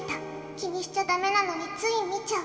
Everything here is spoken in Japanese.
気にしちゃダメなのについ見ちゃう。